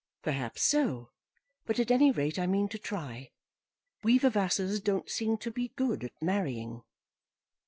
"Perhaps so; but, at any rate, I mean to try. We Vavasors don't seem to be good at marrying."